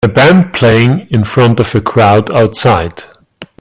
A band playing in front of a crowd outside